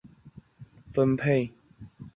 行程群组被使用于控制信号的分配。